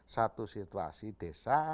satu situasi desa